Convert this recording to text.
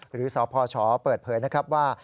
หรือสพชเปิดเผยว่า